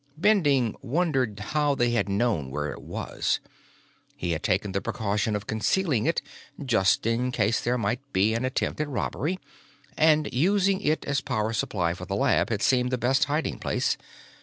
Bending wondered how they had known where it was; he had taken the precaution of concealing it, just in case there might be an attempt at robbery, and using it as power supply for the lab had seemed the best hiding place.